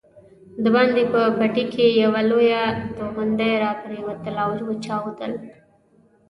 دباندې په بټۍ کې یوه لویه توغندۍ راپرېوتله او وچاودل.